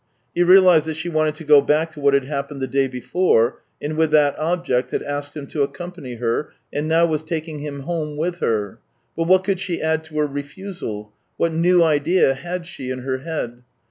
He realized that she wanted to go back to what had happened the day before, and with that object had asked him to accompany her, and now THREE YEARS 207 was taking him home with her. But what could she add to her refusal ? What new idea had she in her head